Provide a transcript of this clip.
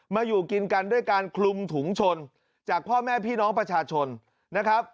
อยู่กินกันด้วยการคลุมถุงชนจากพ่อแม่พี่น้องประชาชนนะครับ